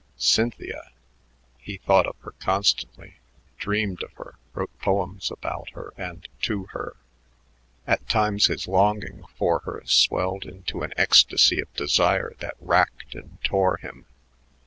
Cynthia! He thought of her constantly, dreamed of her, wrote poems about her and to her. At times his longing for her swelled into an ecstasy of desire that racked and tore him.